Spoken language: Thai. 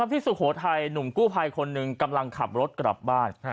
สุโขทัยหนุ่มกู้ภัยคนหนึ่งกำลังขับรถกลับบ้าน